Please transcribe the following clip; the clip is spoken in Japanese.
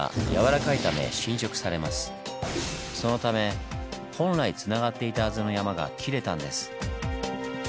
そのため本来つながっていたはずの山が切れたんです。